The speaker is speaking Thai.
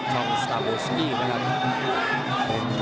ช่องสตาร์บุ๊กตี้นี่นะครับ